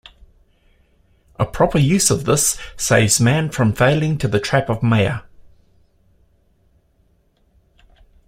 A proper use of this saves man from failing to the trap of maya.